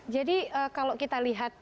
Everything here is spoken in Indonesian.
jadi kalau kita lihat